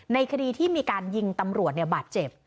ในคดีที่มีการยิงตำรวจบาดเจ็บ